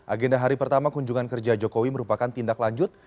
agenda hari pertama kunjungan kerja jokowi merupakan tindak lanjut